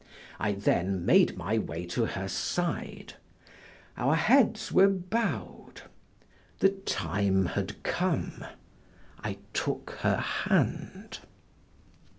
I then made my way to her side; our heads were bowed; the time had come, I took her hand.